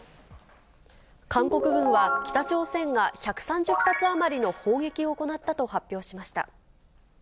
韓国軍は、北朝鮮が１３０発余りの砲撃を行ったと発表しました。